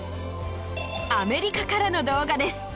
アメリカからの動画です